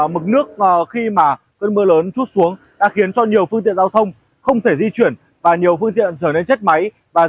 mực nước khi mà cơn mưa lớn chút xuống đã khiến cho nhiều phương tiện giao thông không thể di chuyển và nhiều phương tiện trở nên chết máy